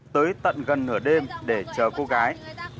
tới tận gần nửa đêm để chờ cô gái